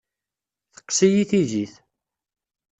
Teqqes-iyi tizit.